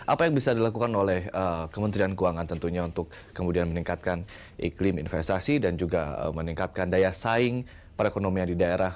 apa yang bisa dilakukan oleh kementerian keuangan tentunya untuk kemudian meningkatkan iklim investasi dan juga meningkatkan daya saing perekonomian di daerah